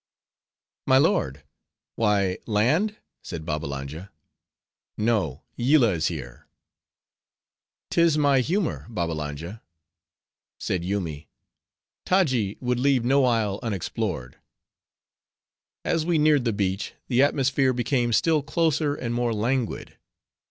"My lord, why land?" said Babbalanja; "no Yillah is here." "'Tis my humor, Babbalanja." Said Yoomy, "Taji would leave no isle unexplored." As we neared the beach, the atmosphere became still closer and more languid.